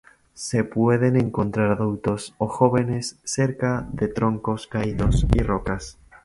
Se pueden encontrar adultos o jóvenes cerca de troncos caídos y rocas.